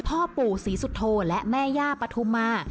พ่อปู่ศรีสุโธและแม่ย่าปฐุมา